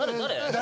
誰？